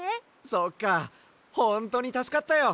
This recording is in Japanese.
そっかほんとにたすかったよ！